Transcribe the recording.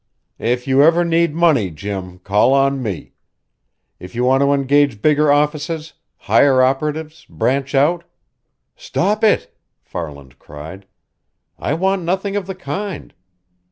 "If you ever need money, Jim, call on me. If you want to engage bigger offices, hire operatives, branch out " "Stop it!" Farland cried. "I want nothing of the kind.